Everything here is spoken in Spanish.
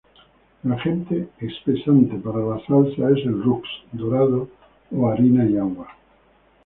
El agente espesante para la salsa es el "roux" dorado o harina y agua.